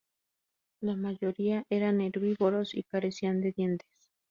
La mayoría eran herbívoros y carecían de dientes.